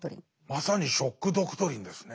まさに「ショック・ドクトリン」ですね。